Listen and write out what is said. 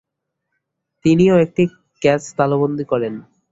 তিনি ও একটি ক্যাচ তালুবন্দী করেন।